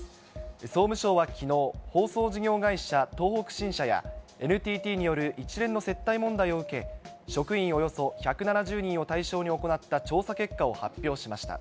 総務省はきのう、放送事業会社、東北新社やＮＴＴによる一連の接待問題を受け、職員およそ１７０人を対象に行った調査結果を発表しました。